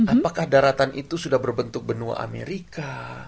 apakah daratan itu sudah berbentuk benua amerika